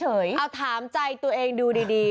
เอาถามใจตัวเองดูดี